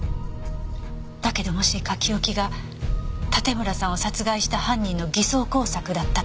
だけどもし書き置きが盾村さんを殺害した犯人の偽装工作だったとしたら。